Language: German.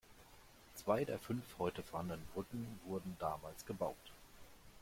Zwei der fünf heute vorhandenen Brücken wurden damals gebaut.